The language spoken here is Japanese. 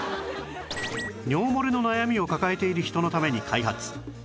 尿漏れの悩みを抱えている人のために開発